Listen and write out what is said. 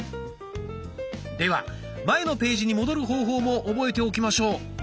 では前のページに戻る方法も覚えておきましょう。